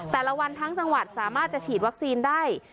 แต่ละวันทั้งจังหวัดสามารถจะฉีดวัคซีนได้